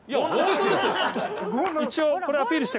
一応これアピールして。